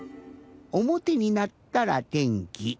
おもてになったら天気。